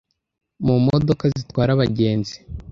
mu modoka zitwara abagenzi.